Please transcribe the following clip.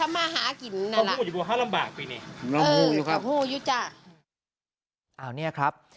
ไม่รับภูมิดูครับ